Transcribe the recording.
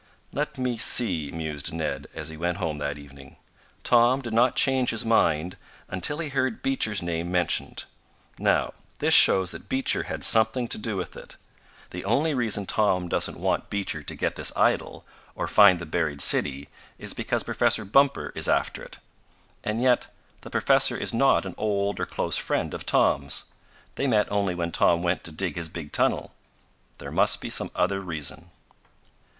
"Let me see," mused Ned, as he went home that evening. "Tom did not change his mind until he heard Beecher's name mentioned. Now this shows that Beecher had something to do with it. The only reason Tom doesn't want Beecher to get this idol or find the buried city is because Professor Bumper is after it. And yet the professor is not an old or close friend of Tom's. They met only when Tom went to dig his big tunnel. There must be some other reason."